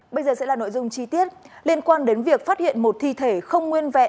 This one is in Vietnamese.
bây giờ sẽ là nội dung chi tiết liên quan đến việc phát hiện một thi thể không nguyên vẹn